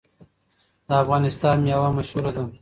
د افغانستان میوه مشهوره ده.